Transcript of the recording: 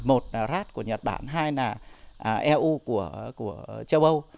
một là rad của nhật bản hai là eu của châu âu